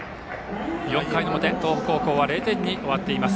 ４回の表、東北高校は０点に終わっています。